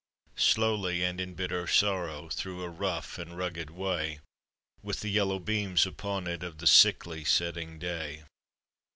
Slowly, and in bitter sorrow, Through a rough and rugged way, With the yellow beams upon it Of the sickly setting day.